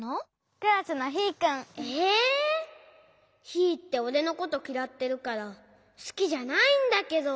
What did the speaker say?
ヒーっておれのこときらってるからすきじゃないんだけど。